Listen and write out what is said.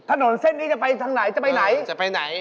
ถนนเส้นนี้จะไปทางไหนจะไปไหนจะไปไหน